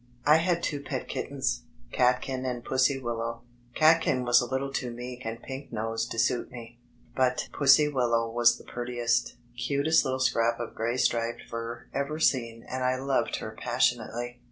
I had two pet kittens, Catkin and Pussy willow. Catkin was a tittle too meek and pink nosed to suit me, but Pussy willow was the prettiest, "cutest" litde scrap of gray striped fur ever seen and I loved her passionately.